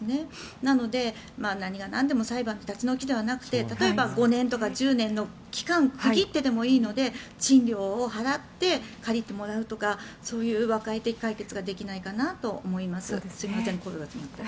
なので、何がなんでも裁判で立ち退きではなくて例えば５年とか１０年の期間を区切ってでもいいので賃料を払って借りてもらうとかそういう和解的解決ができないかなと思います。